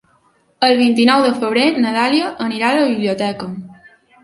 El vint-i-nou de febrer na Dàlia anirà a la biblioteca.